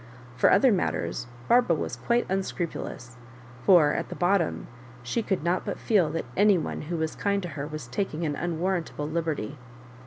For other matters Barbara was quite unscrupu lous, for at the bottom she could not but feel that any one who was kind to her was taking atf ^ unwarrantable liberty.